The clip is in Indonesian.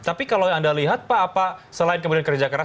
tapi kalau yang anda lihat pak apa selain kemudian kerja keras